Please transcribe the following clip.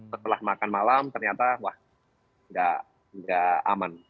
setelah makan malam ternyata wah nggak aman